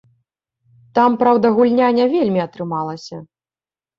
Там, праўда, гульня не вельмі атрымалася.